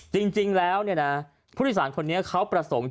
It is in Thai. จริงแล้วเนี่ยนะผู้โดยสารคนนี้เขาประสงค์